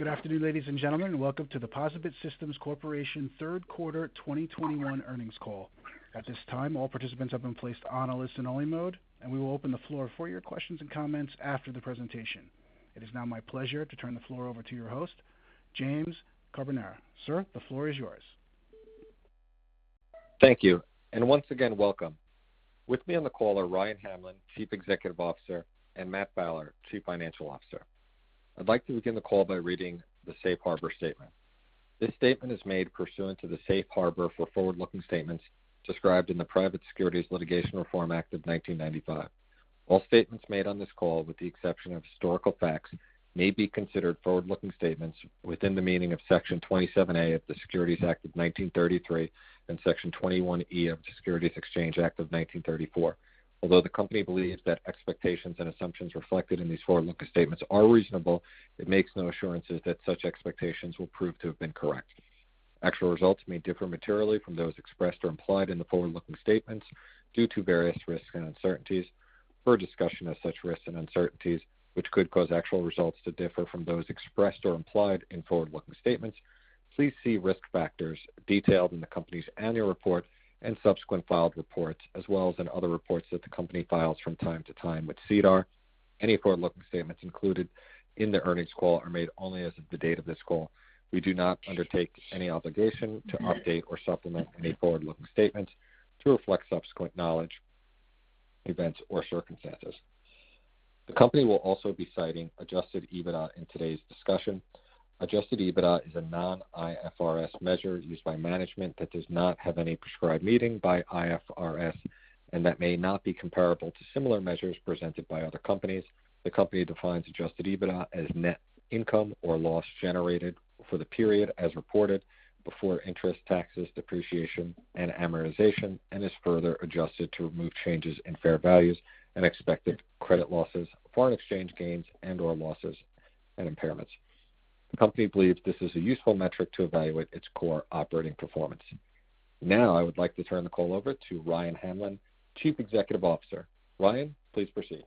Good afternoon, ladies and gentlemen, and welcome to the POSaBIT Systems Corporation third quarter 2021 earnings call. At this time, all participants have been placed on a listen only mode, and we will open the floor for your questions and comments after the presentation. It is now my pleasure to turn the floor over to your host, James Carbonara. Sir, the floor is yours. Thank you. Once again, welcome. With me on the call are Ryan Hamlin, Chief Executive Officer, and Matt Fowler, Chief Financial Officer. I'd like to begin the call by reading the safe harbor statement. This statement is made pursuant to the Safe Harbor for forward-looking statements described in the Private Securities Litigation Reform Act of 1995. All statements made on this call, with the exception of historical facts, may be considered forward-looking statements within the meaning of Section 27A of the Securities Act of 1933 and Section 21E of the Securities Exchange Act of 1934. Although the company believes that expectations and assumptions reflected in these forward-looking statements are reasonable, it makes no assurances that such expectations will prove to have been correct. Actual results may differ materially from those expressed or implied in the forward-looking statements due to various risks and uncertainties. For a discussion of such risks and uncertainties, which could cause actual results to differ from those expressed or implied in forward-looking statements, please see risk factors detailed in the company's annual report and subsequent filed reports, as well as in other reports that the company files from time to time with SEDAR. Any forward-looking statements included in the earnings call are made only as of the date of this call. We do not undertake any obligation to update or supplement any forward-looking statements to reflect subsequent knowledge, events, or circumstances. The company will also be citing adjusted EBITDA in today's discussion. Adjusted EBITDA is a non-IFRS measure used by management that does not have any prescribed meaning by IFRS and that may not be comparable to similar measures presented by other companies. The company defines adjusted EBITDA as net income or loss generated for the period as reported before interest, taxes, depreciation, and amortization, and is further adjusted to remove changes in fair values and expected credit losses, foreign exchange gains and/or losses, and impairments. The company believes this is a useful metric to evaluate its core operating performance. Now I would like to turn the call over to Ryan Hamlin, Chief Executive Officer. Ryan, please proceed.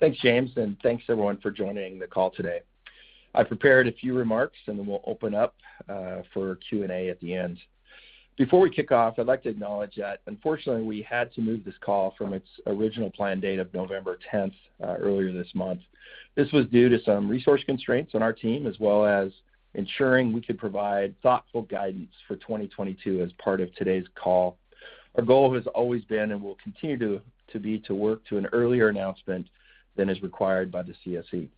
Thanks, James, and thanks everyone for joining the call today. I prepared a few remarks, and then we'll open up for Q&A at the end. Before we kick off, I'd like to acknowledge that unfortunately, we had to move this call from its original planned date of November 10th earlier this month. This was due to some resource constraints on our team, as well as ensuring we could provide thoughtful guidance for 2022 as part of today's call. Our goal has always been and will continue to be to work to an earlier announcement than is required by the CSE.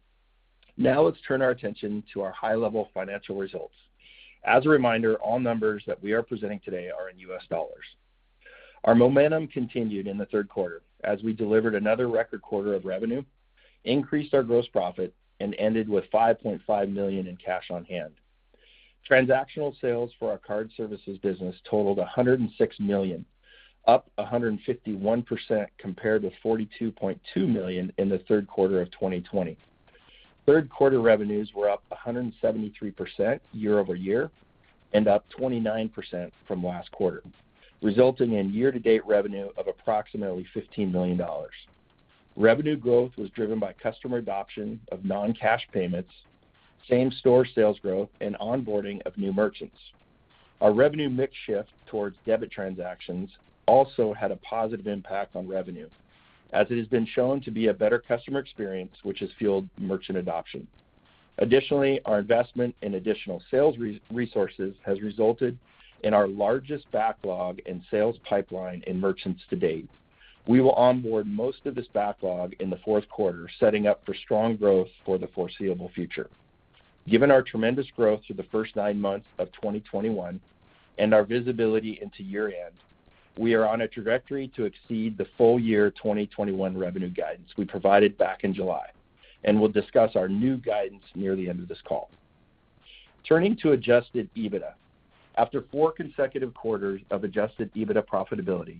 Now let's turn our attention to our high-level financial results. As a reminder, all numbers that we are presenting today are in U.S. dollars. Our momentum continued in the third quarter as we delivered another record quarter of revenue, increased our gross profit, and ended with $5.5 million in cash on hand. Transactional sales for our card services business totaled $106 million, up 151% compared to $42.2 million in the third quarter of 2020. Third quarter revenues were up 173% year-over-year and up 29% from last quarter, resulting in year-to-date revenue of approximately $15 million. Revenue growth was driven by customer adoption of non-cash payments, same-store sales growth, and onboarding of new merchants. Our revenue mix shift towards debit transactions also had a positive impact on revenue, as it has been shown to be a better customer experience which has fueled merchant adoption. Additionally, our investment in additional sales resources has resulted in our largest backlog in sales pipeline of merchants to date. We will onboard most of this backlog in the fourth quarter, setting up for strong growth for the foreseeable future. Given our tremendous growth through the first nine months of 2021 and our visibility into year-end, we are on a trajectory to exceed the full year 2021 revenue guidance we provided back in July, and we'll discuss our new guidance near the end of this call. Turning to adjusted EBITDA. After four consecutive quarters of adjusted EBITDA profitability,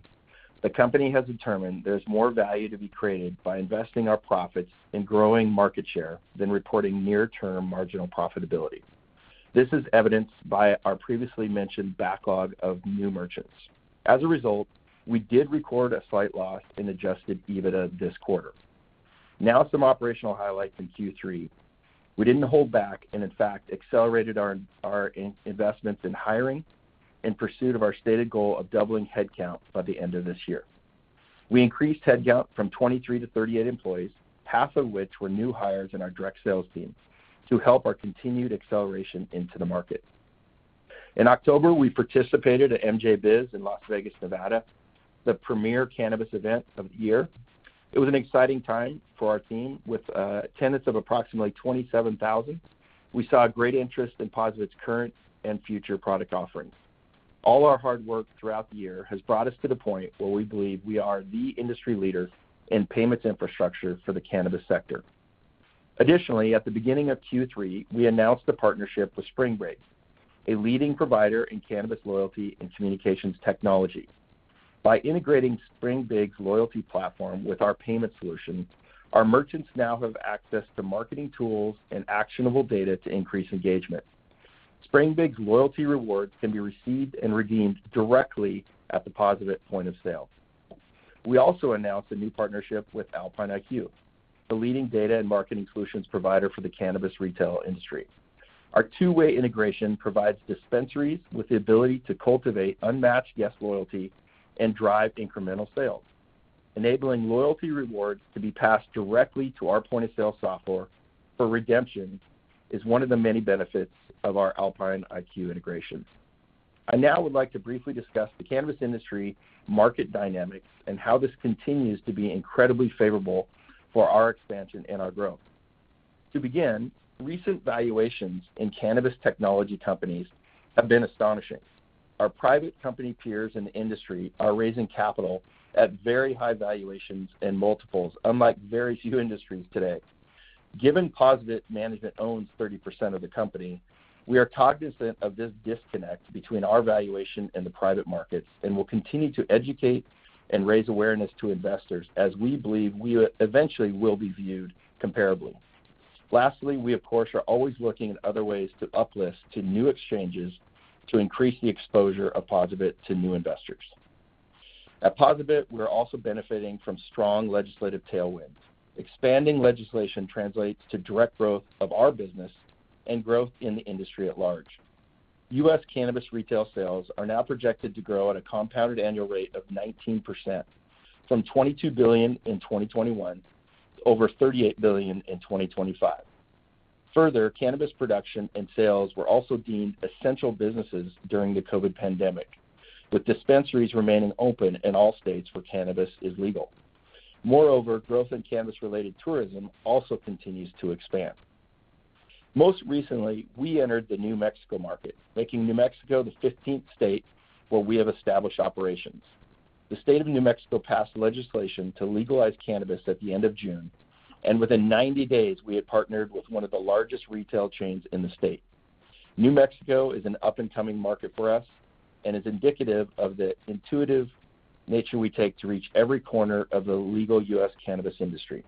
the company has determined there's more value to be created by investing our profits in growing market share than reporting near-term marginal profitability. This is evidenced by our previously mentioned backlog of new merchants. As a result, we did record a slight loss in adjusted EBITDA this quarter. Now some operational highlights in Q3. We didn't hold back and in fact accelerated our investments in hiring in pursuit of our stated goal of doubling headcount by the end of this year. We increased headcount from 23 to 38 employees, half of which were new hires in our direct sales teams to help our continued acceleration into the market. In October, we participated at MJBizCon in Las Vegas, Nevada, the premier cannabis event of the year. It was an exciting time for our team with attendance of approximately 27,000. We saw great interest in POSaBIT's current and future product offerings. All our hard work throughout the year has brought us to the point where we believe we are the industry leader in payments infrastructure for the cannabis sector. Additionally, at the beginning of Q3, we announced a partnership with springbig, a leading provider in cannabis loyalty and communications technology. By integrating springbig's loyalty platform with our payment solution, our merchants now have access to marketing tools and actionable data to increase engagement. springbig's loyalty rewards can be received and redeemed directly at the POSaBIT point of sale. We also announced a new partnership with Alpine IQ, the leading data and marketing solutions provider for the cannabis retail industry. Our two-way integration provides dispensaries with the ability to cultivate unmatched guest loyalty and drive incremental sales. Enabling loyalty rewards to be passed directly to our point-of-sale software for redemption is one of the many benefits of our Alpine IQ integrations. I now would like to briefly discuss the cannabis industry market dynamics and how this continues to be incredibly favorable for our expansion and our growth. To begin, recent valuations in cannabis technology companies have been astonishing. Our private company peers in the industry are raising capital at very high valuations and multiples, unlike very few industries today. Given POSaBIT management owns 30% of the company, we are cognizant of this disconnect between our valuation and the private markets and will continue to educate and raise awareness to investors as we believe we eventually will be viewed comparably. Lastly, we, of course, are always looking at other ways to uplist to new exchanges to increase the exposure of POSaBIT to new investors. At POSaBIT, we are also benefiting from strong legislative tailwinds. Expanding legislation translates to direct growth of our business and growth in the industry at large. U.S. cannabis retail sales are now projected to grow at a compounded annual rate of 19% from $22 billion in 2021 to over $38 billion in 2025. Further, cannabis production and sales were also deemed essential businesses during the COVID pandemic, with dispensaries remaining open in all states where cannabis is legal. Moreover, growth in cannabis-related tourism also continues to expand. Most recently, we entered the New Mexico market, making New Mexico the 15th state where we have established operations. The state of New Mexico passed legislation to legalize cannabis at the end of June, and within 90 days, we had partnered with one of the largest retail chains in the state. New Mexico is an up-and-coming market for us and is indicative of the intuitive nature we take to reach every corner of the legal U.S. cannabis industry.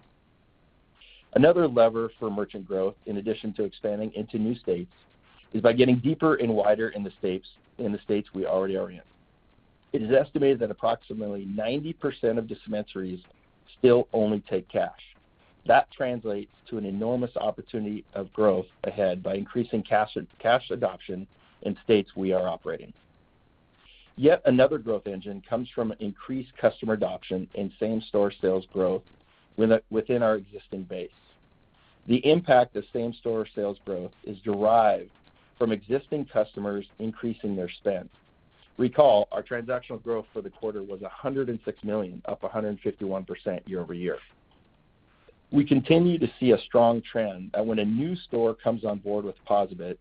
Another lever for merchant growth, in addition to expanding into new states, is by getting deeper and wider in the states we already are in. It is estimated that approximately 90% of dispensaries still only take cash. That translates to an enormous opportunity of growth ahead by increasing cash adoption in states we are operating. Yet another growth engine comes from increased customer adoption and same-store sales growth within our existing base. The impact of same-store sales growth is derived from existing customers increasing their spend. Recall, our transactional growth for the quarter was $106 million, up 151% year-over-year. We continue to see a strong trend that when a new store comes on board with POSaBIT,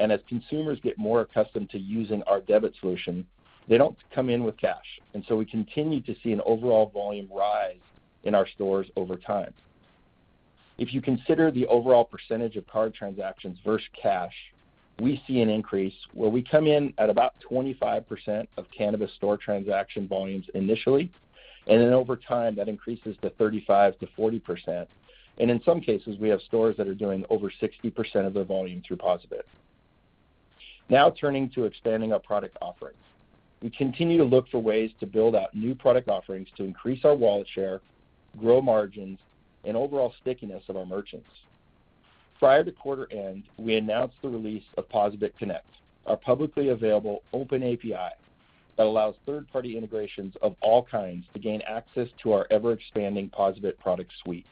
and as consumers get more accustomed to using our debit solution, they don't come in with cash, and so we continue to see an overall volume rise in our stores over time. If you consider the overall percentage of card transactions versus cash, we see an increase where we come in at about 25% of cannabis store transaction volumes initially, and then over time, that increases to 35%-40%. In some cases, we have stores that are doing over 60% of their volume through POSaBIT. Now turning to expanding our product offerings, we continue to look for ways to build out new product offerings to increase our wallet share, grow margins, and overall stickiness of our merchants. Prior to quarter end, we announced the release of POSaBIT Connect, a publicly available OpenAPI that allows third-party integrations of all kinds to gain access to our ever-expanding POSaBIT product suite.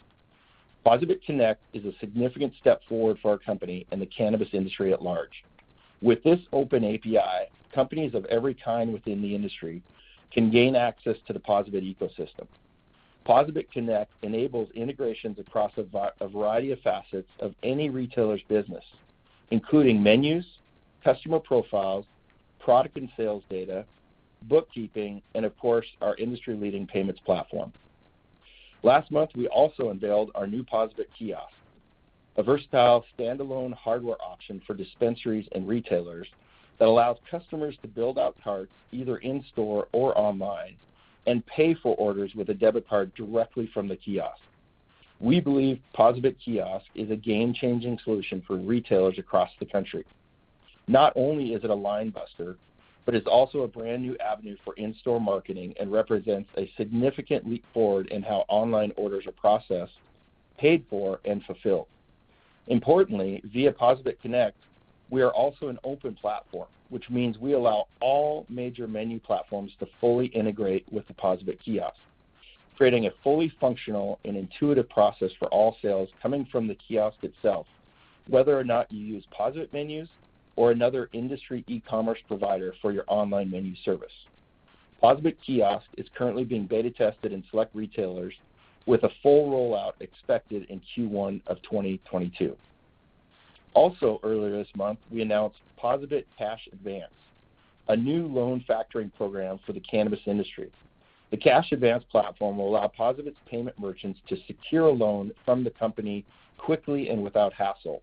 POSaBIT Connect is a significant step forward for our company and the cannabis industry at large. With this OpenAPI, companies of every kind within the industry can gain access to the POSaBIT ecosystem. POSaBIT Connect enables integrations across a variety of facets of any retailer's business, including menus, customer profiles, product and sales data, bookkeeping, and of course, our industry-leading payments platform. Last month, we also unveiled our new POSaBIT Kiosk, a versatile standalone hardware option for dispensaries and retailers that allows customers to build out carts either in-store or online and pay for orders with a debit card directly from the kiosk. We believe POSaBIT Kiosk is a game-changing solution for retailers across the country. Not only is it a line buster, but it's also a brand-new avenue for in-store marketing and represents a significant leap forward in how online orders are processed, paid for, and fulfilled. Importantly, via POSaBIT Connect, we are also an open platform, which means we allow all major menu platforms to fully integrate with the POSaBIT Kiosk, creating a fully functional and intuitive process for all sales coming from the kiosk itself, whether or not you use POSaBIT Menus or another industry e-commerce provider for your online menu service. POSaBIT Kiosk is currently being beta tested in select retailers with a full rollout expected in Q1 of 2022. Also earlier this month, we announced POSaBIT Cash Advance, a new loan factoring program for the cannabis industry. The Cash Advance platform will allow POSaBIT's payment merchants to secure a loan from the company quickly and without hassle,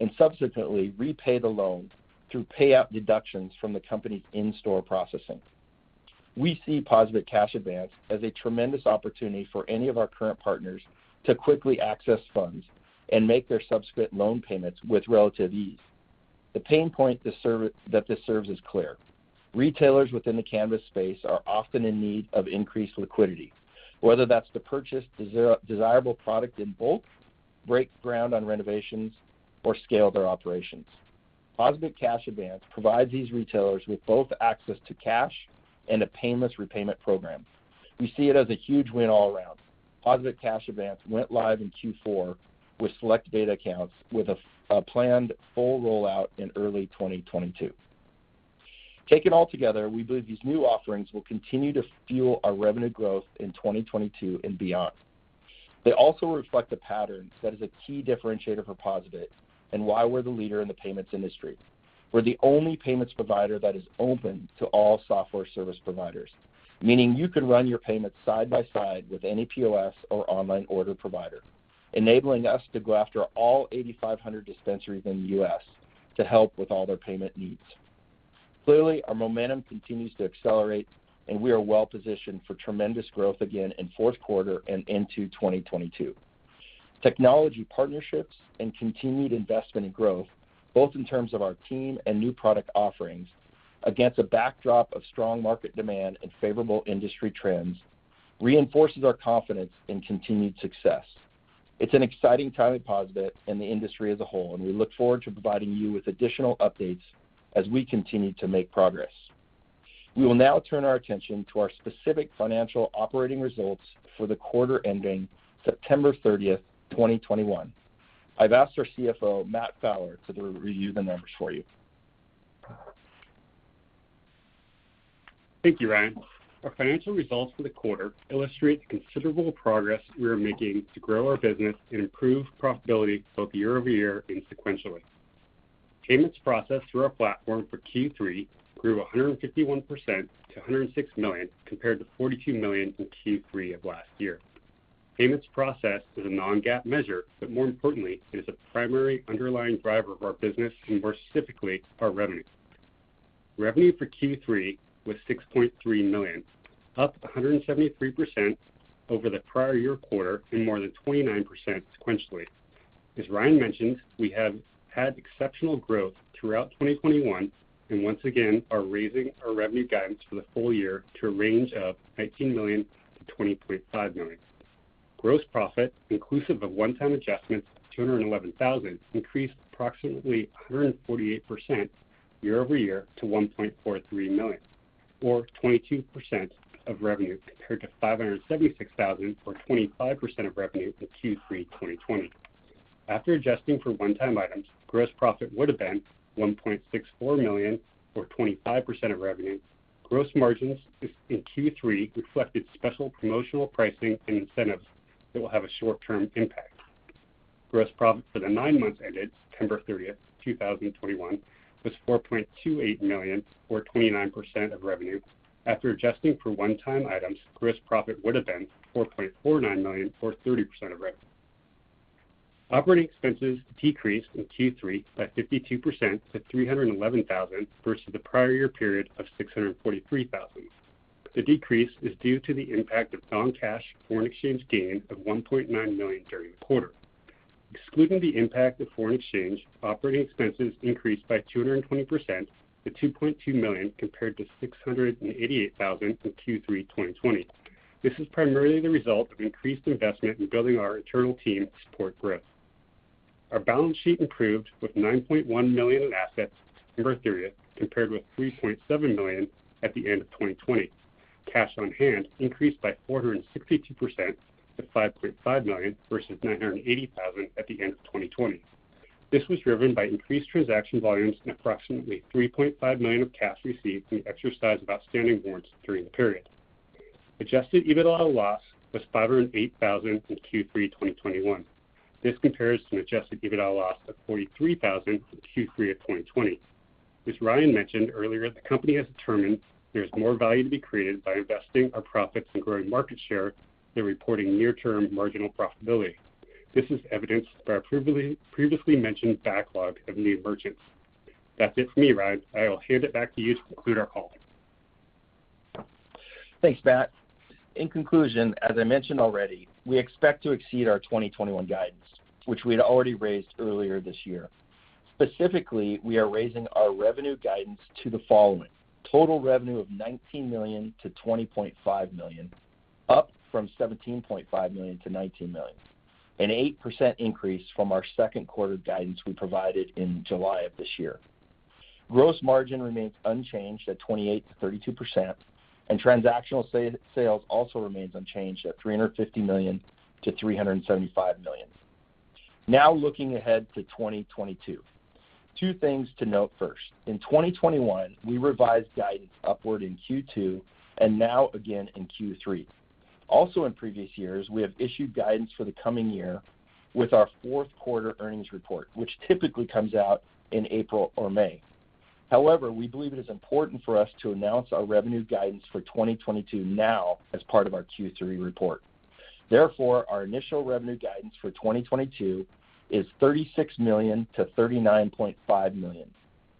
and subsequently repay the loan through payout deductions from the company's in-store processing. We see POSaBIT Cash Advance as a tremendous opportunity for any of our current partners to quickly access funds and make their subsequent loan payments with relative ease. The pain point that this serves is clear. Retailers within the cannabis space are often in need of increased liquidity, whether that's to purchase desirable product in bulk, break ground on renovations, or scale their operations. POSaBIT Cash Advance provides these retailers with both access to cash and a painless repayment program. We see it as a huge win all around. POSaBIT Cash Advance went live in Q4 with select beta accounts, with a planned full rollout in early 2022. Taken altogether, we believe these new offerings will continue to fuel our revenue growth in 2022 and beyond. They also reflect a pattern that is a key differentiator for POSaBIT and why we're the leader in the payments industry. We're the only payments provider that is open to all software service providers, meaning you could run your payments side by side with any POS or online order provider, enabling us to go after all 8,500 dispensaries in the U.S. to help with all their payment needs. Clearly, our momentum continues to accelerate, and we are well positioned for tremendous growth again in fourth quarter and into 2022. Technology partnerships and continued investment in growth, both in terms of our team and new product offerings, against a backdrop of strong market demand and favorable industry trends reinforces our confidence in continued success. It's an exciting time at POSaBIT and the industry as a whole, and we look forward to providing you with additional updates as we continue to make progress. We will now turn our attention to our specific financial operating results for the quarter ending September 30th, 2021. I've asked our CFO, Matt Fowler, to review the numbers for you. Thank you, Ryan. Our financial results for the quarter illustrate the considerable progress we are making to grow our business and improve profitability both year-over-year and sequentially. Payments processed through our platform for Q3 grew 151% to $106 million, compared to $42 million in Q3 of last year. Payments processed is a non-GAAP measure, but more importantly, it is a primary underlying driver of our business and more specifically, our revenue. Revenue for Q3 was $6.3 million, up 173% over the prior year quarter and more than 29% sequentially. As Ryan mentioned, we have had exceptional growth throughout 2021 and once again are raising our revenue guidance for the full year to a range of $19 million-$20.5 million. Gross profit, inclusive of one-time adjustments of $211,000, increased approximately 148% year-over-year to $1.43 million, or 22% of revenue, compared to $576,000, or 25% of revenue in Q3 2020. After adjusting for one-time items, gross profit would have been $1.64 million, or 25% of revenue. Gross margins in Q3 reflected special promotional pricing and incentives that will have a short-term impact. Gross profit for the nine months ended September 30th, 2021, was $4.28 million or 29% of revenue. After adjusting for one-time items, gross profit would have been $4.49 million or 30% of revenue. Operating expenses decreased in Q3 by 52% to $311,000 versus the prior year period of $643,000. The decrease is due to the impact of non-cash foreign exchange gain of $1.9 million during the quarter. Excluding the impact of foreign exchange, operating expenses increased by 220% to $2.2 million compared to $688,000 in Q3 2020. This is primarily the result of increased investment in building our internal team to support growth. Our balance sheet improved with $9.1 million in assets September 30, compared with $3.7 million at the end of 2020. Cash on hand increased by 462% to $5.5 million versus $980,000 at the end of 2020. This was driven by increased transaction volumes and approximately $3.5 million of cash received from the exercise of outstanding warrants during the period. Adjusted EBITDA loss was $508,000 in Q3 2021. This compares to an adjusted EBITDA loss of $43,000 in Q3 of 2020. As Ryan mentioned earlier, the company has determined there is more value to be created by investing our profits in growing market share than reporting near-term marginal profitability. This is evidenced by our previously mentioned backlog of new merchants. That's it for me, Ryan. I will hand it back to you to conclude our call. Thanks, Matt. In conclusion, as I mentioned already, we expect to exceed our 2021 guidance, which we had already raised earlier this year. Specifically, we are raising our revenue guidance to the following. Total revenue of $19 million-$20.5 million, up from $17.5 million-$19 million, an 8% increase from our second quarter guidance we provided in July of this year. Gross margin remains unchanged at 28%-32%, and transactional sales also remains unchanged at $350 million-$375 million. Now looking ahead to 2022. Two things to note first. In 2021, we revised guidance upward in Q2 and now again in Q3. Also in previous years, we have issued guidance for the coming year with our fourth quarter earnings report, which typically comes out in April or May. However, we believe it is important for us to announce our revenue guidance for 2022 now as part of our Q3 report. Therefore, our initial revenue guidance for 2022 is $36 million-$39.5 million,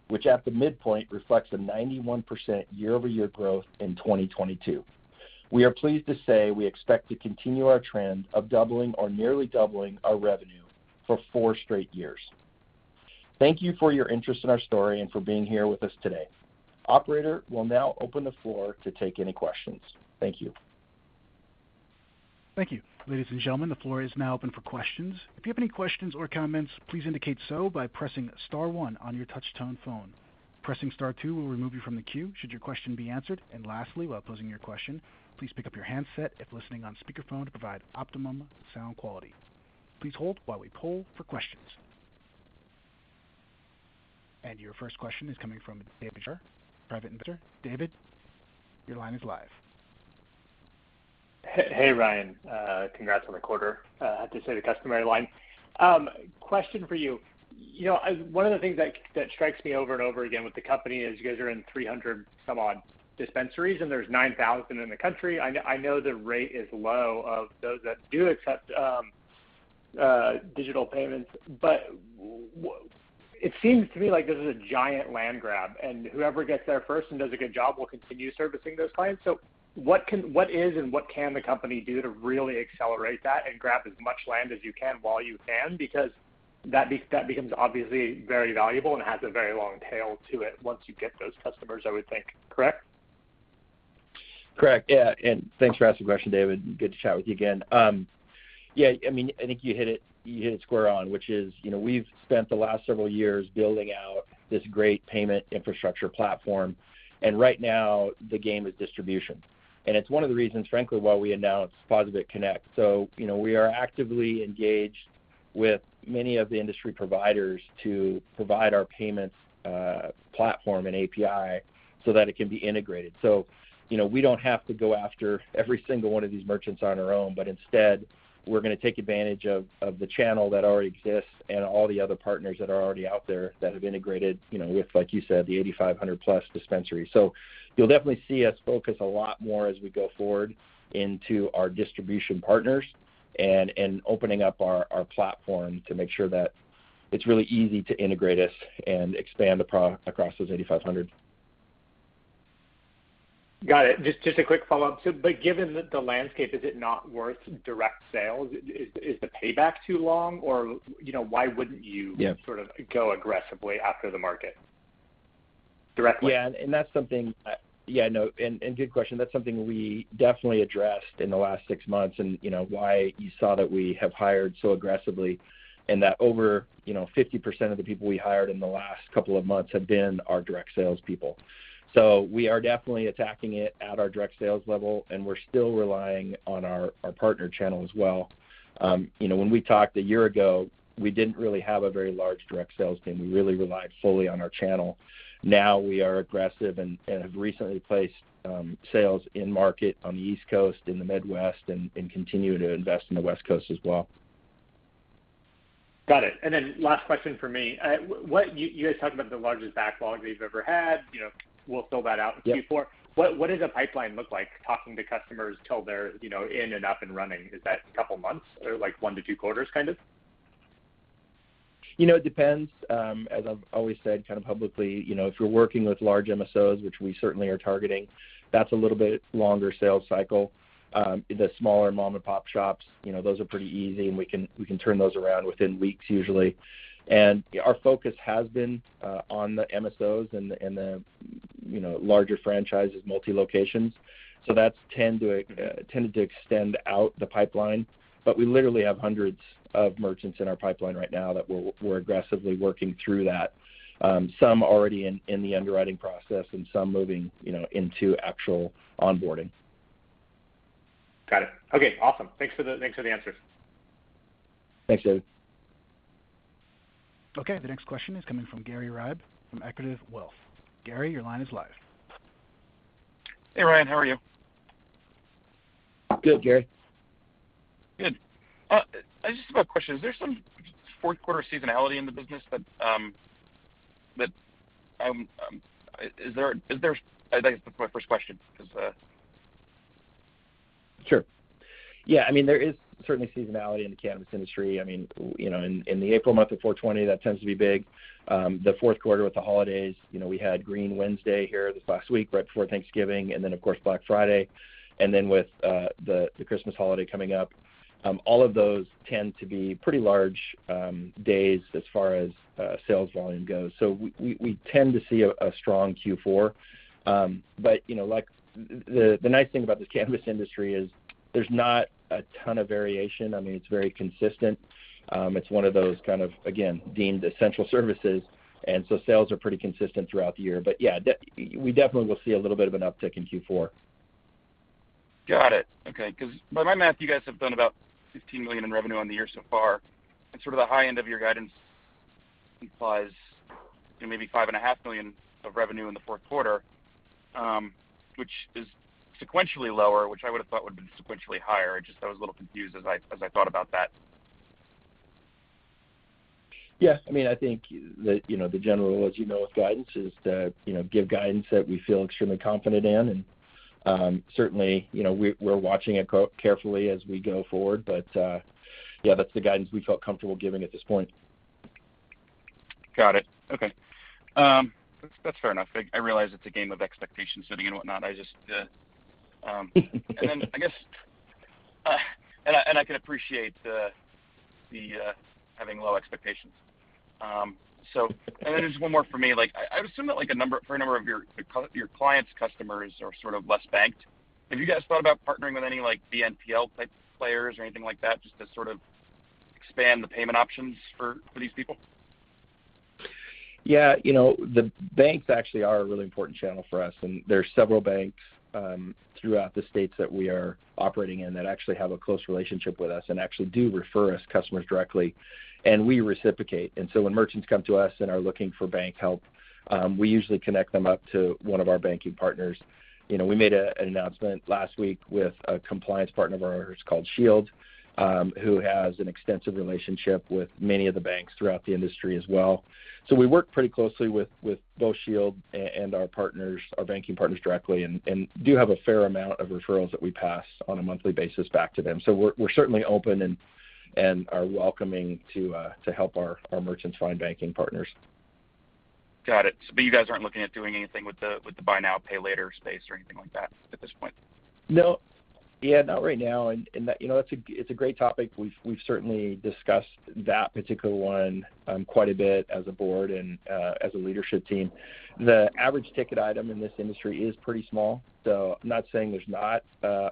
which at the midpoint reflects a 91% year-over-year growth in 2022. We are pleased to say we expect to continue our trend of doubling or nearly doubling our revenue for four straight years. Thank you for your interest in our story and for being here with us today. Operator, we'll now open the floor to take any questions. Thank you. Thank you. Ladies and gentlemen, the floor is now open for questions. If you have any questions or comments, please indicate so by pressing star one on your touch-tone phone. Pressing star two will remove you from the queue should your question be answered. Lastly, while posing your question, please pick up your handset if listening on speakerphone to provide optimum sound quality. Please hold while we poll for questions. Your first question is coming from David, Private Investor. David, your line is live. Hey, Ryan. Congrats on the quarter. Had to say the customary line. Question for you. You know, one of the things that strikes me over and over again with the company is you guys are in 300-some-odd dispensaries, and there's 9,000 in the country. I know the rate is low of those that do accept digital payments, but it seems to me like this is a giant land grab, and whoever gets there first and does a good job will continue servicing those clients. So what is and what can the company do to really accelerate that and grab as much land as you can while you can? Because that becomes obviously very valuable and has a very long tail to it once you get those customers, I would think. Correct? Correct. Yeah. Thanks for asking the question, David. Good to chat with you again. Yeah, I mean, I think you hit it square on, which is, you know, we've spent the last several years building out this great payment infrastructure platform, and right now the game is distribution. It's one of the reasons, frankly, why we announced POSaBIT Connect. You know, we are actively engaged with many of the industry providers to provide our payments platform and API so that it can be integrated. You know, we don't have to go after every single one of these merchants on our own, but instead, we're going to take advantage of the channel that already exists and all the other partners that are already out there that have integrated, you know, with, like you said, the 8,500+ dispensaries. You'll definitely see us focus a lot more as we go forward into our distribution partners and opening up our platform to make sure that it's really easy to integrate us and expand across those 8,500. Got it. Just a quick follow-up. Given the landscape, is it not worth direct sales? Is the payback too long? You know, why wouldn't you? Yeah sort of go aggressively after the market directly? That's a good question. That's something we definitely addressed in the last six months and, you know, why you saw that we have hired so aggressively and that over 50% of the people we hired in the last couple of months have been our direct sales people. We are definitely attacking it at our direct sales level, and we're still relying on our partner channel as well. You know, when we talked a year ago, we didn't really have a very large direct sales team. We really relied fully on our channel. Now we are aggressive and have recently placed sales in market on the East Coast, in the Midwest, and continue to invest in the West Coast as well. Got it. Last question from me. You guys talked about the largest backlog that you've ever had. You know, we'll fill that out in Q4. Yeah. What does a pipeline look like talking to customers till they're, you know, in and up and running? Is that a couple of months or, like, one to two quarters kind of? You know, it depends. As I've always said kind of publicly, you know, if you're working with large MSOs, which we certainly are targeting, that's a little bit longer sales cycle. The smaller mom and pop shops, you know, those are pretty easy, and we can turn those around within weeks usually. Our focus has been on the MSOs and the larger franchises, multi-locations. That's tended to extend out the pipeline. We literally have hundreds of merchants in our pipeline right now that we're aggressively working through that, some already in the underwriting process and some moving, you know, into actual onboarding. Got it. Okay. Awesome. Thanks for the answers. Thanks, David. Okay. The next question is coming from Gary Ribe from Accretive Wealth. Gary, your line is live. Hey, Ryan. How are you? Good, Gary. Good. I just have a question. Is there some fourth quarter seasonality in the business? I think that's my first question because Sure. Yeah, I mean, there is certainly seasonality in the cannabis industry. I mean, you know, in the April month of 4/20, that tends to be big. The fourth quarter with the holidays, you know, we had Green Wednesday here this last week right before Thanksgiving, and then, of course, Black Friday. With the Christmas holiday coming up, all of those tend to be pretty large days as far as sales volume goes. We tend to see a strong Q4. You know, like the nice thing about this cannabis industry is there's not a ton of variation. I mean, it's very consistent. It's one of those kind of, again, deemed essential services, and so sales are pretty consistent throughout the year. Yeah, we definitely will see a little bit of an uptick in Q4. Got it. Okay. Because by my math, you guys have done about $15 million in revenue on the year so far, and sort of the high end of your guidance implies, you know, maybe $5.5 million of revenue in the fourth quarter, which is sequentially lower, which I would have thought would have been sequentially higher. Just, I was a little confused as I thought about that. Yes. I mean, I think that, you know, the general rule, as you know, with guidance is to, you know, give guidance that we feel extremely confident in. Certainly, you know, we're watching it carefully as we go forward. Yeah, that's the guidance we felt comfortable giving at this point. Got it. Okay. That's fair enough. I realize it's a game of expectation setting and whatnot. Then I guess and I can appreciate the having low expectations. Then just one more for me. Like, I would assume that like a number of your clients, customers are sort of less banked. Have you guys thought about partnering with any like BNPL type players or anything like that, just to sort of expand the payment options for these people? Yeah. You know, the banks actually are a really important channel for us, and there are several banks throughout the states that we are operating in that actually have a close relationship with us and actually do refer us customers directly, and we reciprocate. When merchants come to us and are looking for bank help, we usually connect them up to one of our banking partners. You know, we made an announcement last week with a compliance partner of ours called Shield, who has an extensive relationship with many of the banks throughout the industry as well. We work pretty closely with both Shield and our partners, our banking partners directly and do have a fair amount of referrals that we pass on a monthly basis back to them. We're certainly open and are welcoming to help our merchants find banking partners. Got it. You guys aren't looking at doing anything with the buy now, pay later space or anything like that at this point? No. Yeah, not right now. You know, that's a great topic. We've certainly discussed that particular one quite a bit as a board and as a leadership team. The average ticket item in this industry is pretty small, so I'm not saying there's not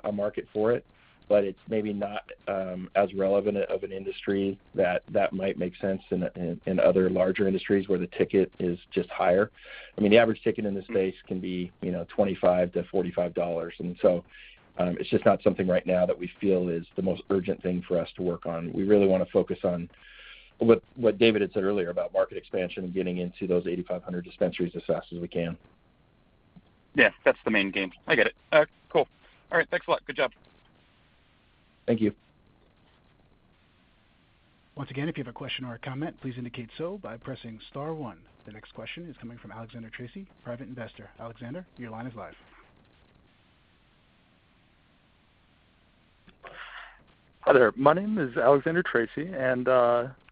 a market for it, but it's maybe not as relevant of an industry that might make sense in other larger industries where the ticket is just higher. I mean, the average ticket in this space can be, you know, $25-$45, and so it's just not something right now that we feel is the most urgent thing for us to work on. We really wanna focus on what David had said earlier about market expansion and getting into those 8,500 dispensaries as fast as we can. Yeah, that's the main game. I get it. Cool. All right. Thanks a lot. Good job. Thank you. Once again, if you have a question or a comment, please indicate so by pressing star one. The next question is coming from Alexander [Tracy], Private Investor. Alexander, your line is live. Hi there. My name is Alexander [Tracy], and,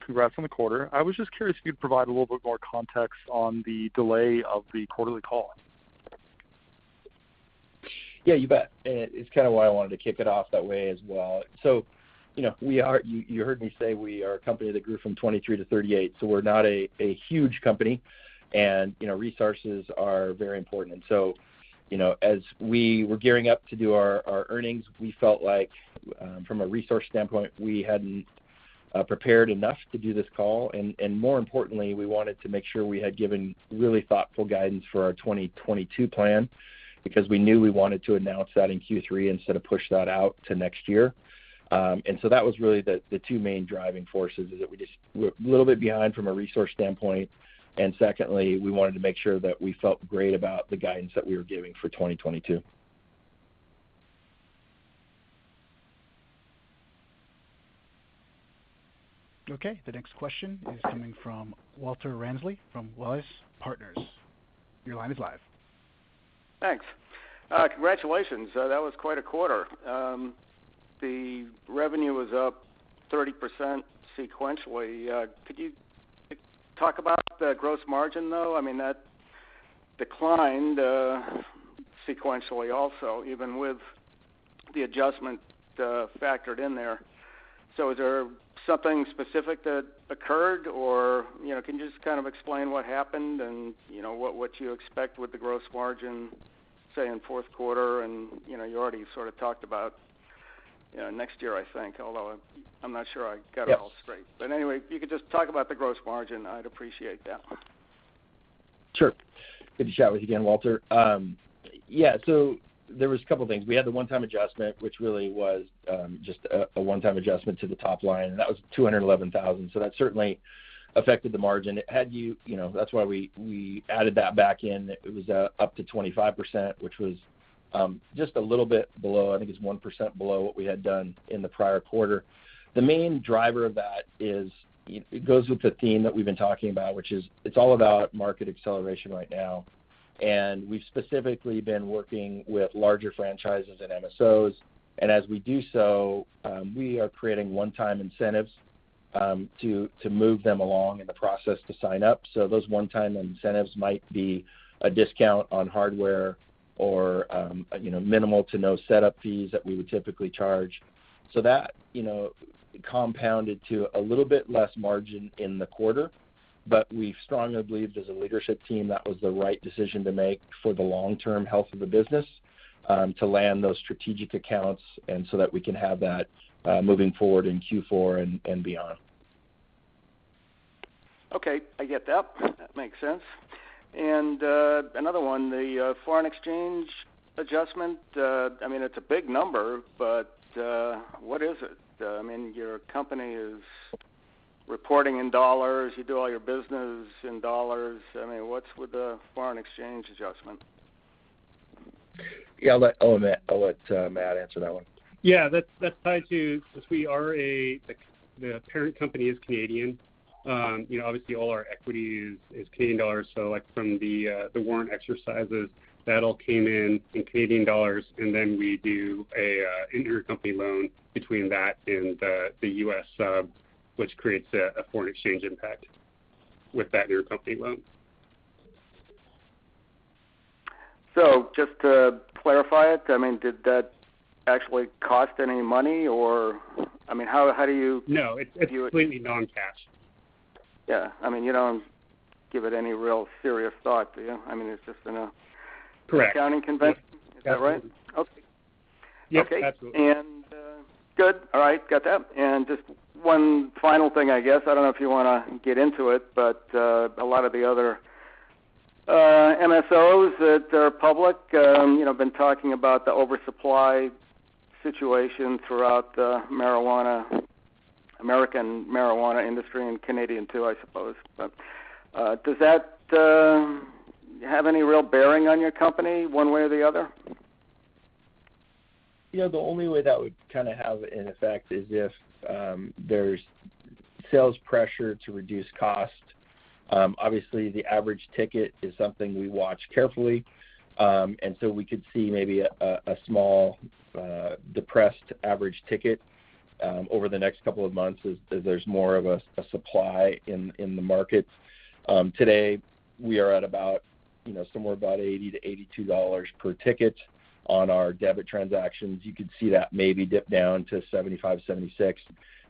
congrats on the quarter. I was just curious if you'd provide a little bit more context on the delay of the quarterly call. Yeah, you bet. It's kind of why I wanted to kick it off that way as well. You know, we are. You heard me say we are a company that grew from 23 to 38, so we're not a huge company and, you know, resources are very important. You know, as we were gearing up to do our earnings, we felt like, from a resource standpoint, we hadn't prepared enough to do this call. More importantly, we wanted to make sure we had given really thoughtful guidance for our 2022 plan because we knew we wanted to announce that in Q3 instead of push that out to next year. That was really the two main driving forces, is that we just... We're a little bit behind from a resource standpoint, and secondly, we wanted to make sure that we felt great about the guidance that we were giving for 2022. Okay. The next question is coming from Walter Ramsley from Walrus Partners. Your line is live. Thanks. Congratulations. That was quite a quarter. The revenue was up 30% sequentially. Could you talk about the gross margin, though? I mean, that declined sequentially also, even with the adjustment factored in there. So is there something specific that occurred or, you know, can you just kind of explain what happened and, you know, what you expect with the gross margin, say, in fourth quarter? You know, you already sort of talked about next year, I think, although I'm not sure I got it all straight. Yes. Anyway, if you could just talk about the gross margin, I'd appreciate that. Sure. Good to chat with you again, Walter. Yeah, there was a couple things. We had the one-time adjustment, which really was just a one-time adjustment to the top line, and that was $211,000. That certainly affected the margin. You know, that's why we added that back in. It was up to 25%, which was just a little bit below. I think it's 1% below what we had done in the prior quarter. The main driver of that is it goes with the theme that we've been talking about, which is it's all about market acceleration right now, and we've specifically been working with larger franchises and MSOs. As we do so, we are creating one-time incentives to move them along in the process to sign up. Those one-time incentives might be a discount on hardware or, you know, minimal to no setup fees that we would typically charge. That, you know, compounded to a little bit less margin in the quarter, but we've strongly believed as a leadership team that was the right decision to make for the long-term health of the business, to land those strategic accounts and so that we can have that moving forward in Q4 and beyond. Okay, I get that. That makes sense. Another one, the foreign exchange adjustment, I mean, it's a big number, but, what is it? I mean, your company is reporting in dollars. You do all your business in dollars. I mean, what's with the foreign exchange adjustment? Yeah, I'll let Matt answer that one. Yeah. That's tied to the parent company being Canadian, you know, obviously all our equity is Canadian dollars. So like from the warrant exercises, that all came in Canadian dollars, and then we do an intercompany loan between that and the U.S. sub, which creates a foreign exchange impact with that intercompany loan. Just to clarify it, I mean, did that actually cost any money or, I mean, how do you? No, it's completely non-cash. Yeah. I mean, you don't give it any real serious thought, do you? I mean, it's just an Correct. Accounting convention. Is that right? Yep, absolutely. Okay. Good. All right. Got that. Just one final thing, I guess. I don't know if you wanna get into it, but a lot of the other MSOs that are public, you know, been talking about the oversupply situation throughout the American marijuana industry and Canadian too, I suppose. Does that have any real bearing on your company one way or the other? You know, the only way that would kinda have an effect is if there's sales pressure to reduce cost. Obviously, the average ticket is something we watch carefully. We could see maybe a small depressed average ticket over the next couple of months as there's more of a supply in the markets. Today we are at about, you know, somewhere about $80-$82 per ticket on our debit transactions. You could see that maybe dip down to $75-$76.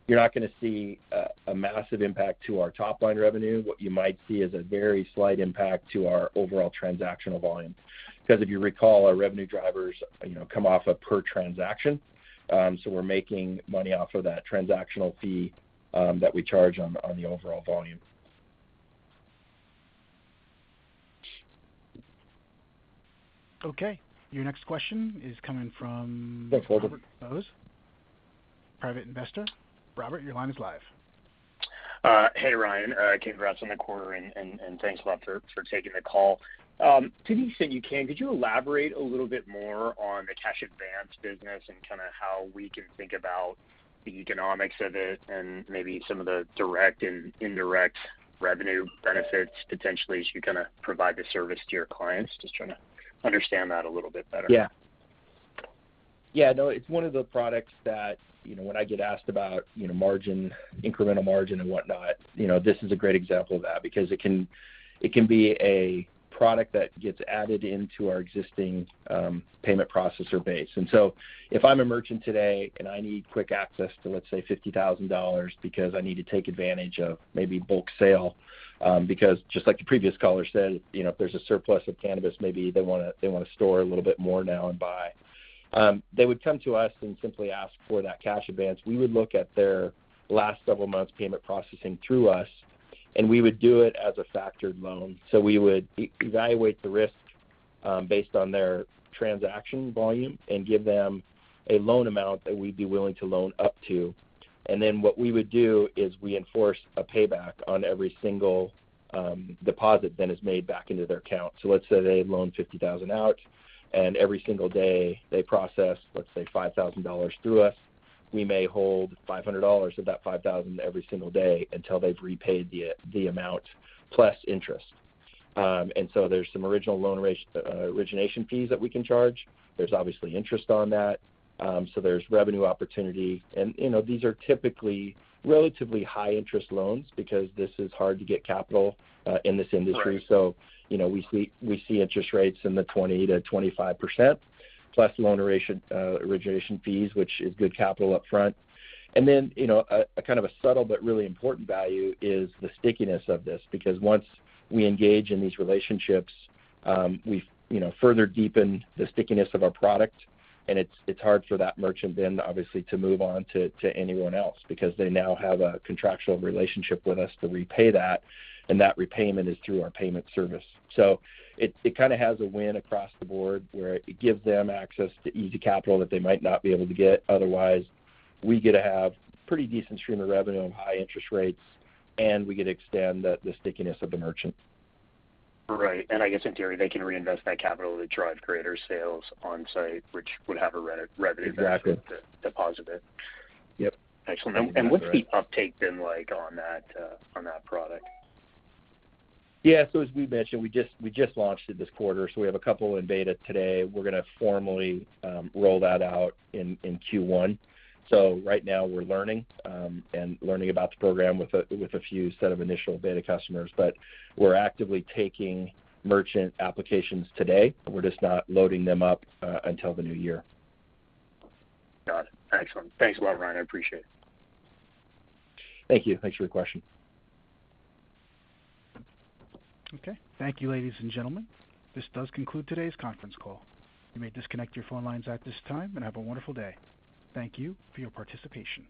You're not gonna see a massive impact to our top line revenue. What you might see is a very slight impact to our overall transactional volume because if you recall, our revenue drivers, you know, come off a per transaction. We're making money off of that transactional fee that we charge on the overall volume. Okay. Your next question is coming from. Thanks, Walter. Robert Bose, Private Investor. Robert, your line is live. Hey, Ryan. Congrats on the quarter and thanks a lot for taking the call. Didn't you say you can, could you elaborate a little bit more on the cash advance business and kinda how we can think about the economics of it and maybe some of the direct and indirect revenue benefits potentially as you kinda provide the service to your clients? Just trying to understand that a little bit better. Yeah. Yeah, no, it's one of the products that, you know, when I get asked about, you know, margin, incremental margin and whatnot, you know, this is a great example of that because it can be a product that gets added into our existing payment processor base. If I'm a merchant today and I need quick access to, let's say, $50,000 because I need to take advantage of maybe bulk sale because just like the previous caller said, you know, if there's a surplus of cannabis, maybe they wanna store a little bit more now and buy, they would come to us and simply ask for that cash advance. We would look at their last several months payment processing through us, and we would do it as a factored loan. We would evaluate the risk based on their transaction volume and give them a loan amount that we'd be willing to loan up to. What we would do is we enforce a payback on every single deposit that is made back into their account. Let's say they loan $50,000 out, and every single day they process, let's say, $5,000 through us, we may hold $500 of that $5,000 every single day until they've repaid the amount plus interest. There's some original loan origination fees that we can charge. There's obviously interest on that. There's revenue opportunity. You know, these are typically relatively high interest loans because this is hard to get capital in this industry. Right. You know, we see interest rates in the 20%-25% plus loan origination fees, which is good capital upfront. Then, you know, kind of a subtle but really important value is the stickiness of this because once we engage in these relationships, we have further deepen the stickiness of our product, and it's hard for that merchant then obviously to move on to anyone else because they now have a contractual relationship with us to repay that, and that repayment is through our payment service. It kinda has a win across the board where it gives them access to easy capital that they might not be able to get otherwise. We get to have pretty decent stream of revenue and high interest rates, and we get to extend the stickiness of the merchant. Right. I guess in theory, they can reinvest that capital to drive greater sales on site, which would have a revenue impact. Exactly. With the deposit. Yep. Excellent. What's the uptake been like on that product? Yeah. As we mentioned, we just launched it this quarter, so we have a couple in beta today. We're gonna formally roll that out in Q1. Right now we're learning about the program with a few sets of initial beta customers. We're actively taking merchant applications today. We're just not loading them up until the new year. Got it. Excellent. Thanks a lot, Ryan. I appreciate it. Thank you. Thanks for your question. Okay. Thank you, ladies and gentlemen. This does conclude today's conference call. You may disconnect your phone lines at this time and have a wonderful day. Thank you for your participation.